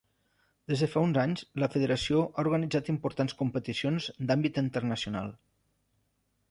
Des de fa uns anys la Federació ha organitzat importants competicions d'àmbit internacional.